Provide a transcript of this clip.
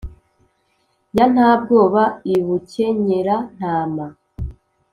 ya ntabwoba i bukenyera-ntama,